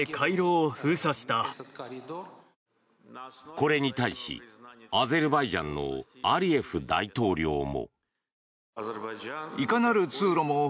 これに対しアゼルバイジャンのアリエフ大統領も。